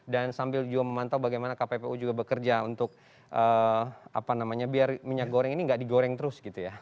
dan sambil juga memantau bagaimana kppu juga bekerja untuk apa namanya biar minyak goreng ini enggak digoreng terus gitu ya